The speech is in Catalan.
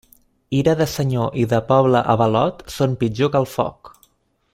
Ira de senyor i de poble avalot, són pitjor que foc.